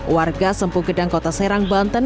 warga sempukedang kota serang banten